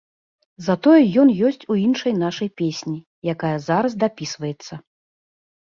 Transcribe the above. Затое ён ёсць у іншай нашай песні, якая зараз дапісваецца.